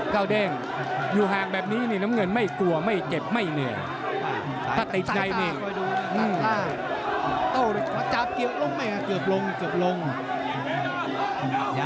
เก้าเด้งอยู่ห้างแบบนี้นี่เนี่ยน้ำเงินไม่กลัวไม่เก็บไม่เหนื่อย